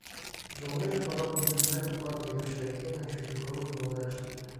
"Żołnierze podobni byli najdokładniej do siebie, jeden się tylko różnił od reszty."